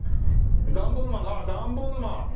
ダンボールマンがあっダンボールマン！